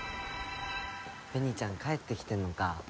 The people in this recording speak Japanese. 紅ちゃん帰ってきてんのか。